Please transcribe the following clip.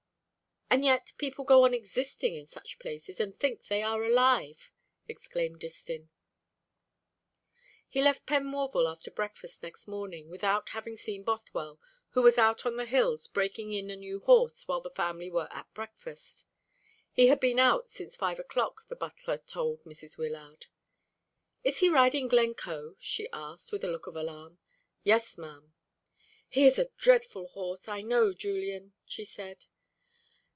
"And yet people go on existing in such places, and think they are alive!" exclaimed Distin. He left Penmorval after breakfast next morning, without having seen Bothwell, who was out on the hills breaking in a new horse while the family were at breakfast. He had been out since five o'clock, the butler told Mrs. Wyllard. "Is he riding Glencoe?" she asked, with a look of alarm. "Yes, ma'am." "He is a dreadful horse, I know, Julian," she said.